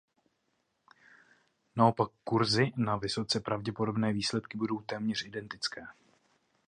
Naopak kurzy na vysoce pravděpodobné výsledky budou téměř identické.